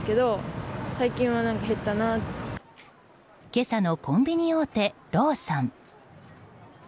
今朝のコンビニ大手ローソン。